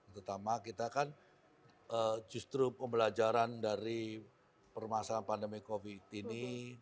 terutama kita kan justru pembelajaran dari permasalahan pandemi covid ini